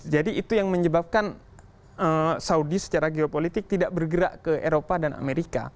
jadi itu yang menyebabkan saudi secara geopolitik tidak bergerak ke eropa dan amerika